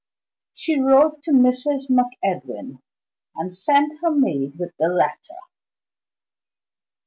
She wrote to Mrs. MacEdwin, and sent her maid with the letter.